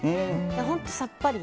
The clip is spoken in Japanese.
本当さっぱり。